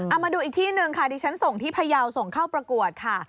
เอามาดูอีกที่หนึ่งค่ะดิฉันส่งที่พยาวส่งเข้าประกวดค่ะ